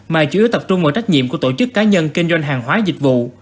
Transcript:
mà chủ yếu tập trung vào trách nhiệm của tổ chức cá nhân kinh doanh hàng hóa dịch vụ